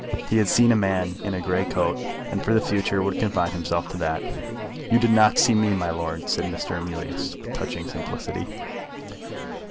He had seen a man in a grey coat, and for the future would confine himself to that. "You did not see me, my lord," said Mr. Emilius with touching simplicity.